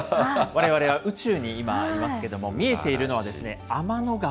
われわれは宇宙に今、いますけれども、見えているのは、天の川。